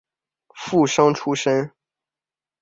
附生出身。